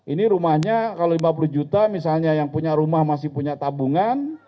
ini rumahnya kalau lima puluh juta misalnya yang punya rumah masih punya tabungan